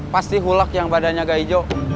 pasti hulak yang badannya gak hijau